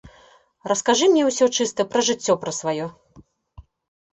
Раскажы мне ўсё чыста пра жыццё пра сваё.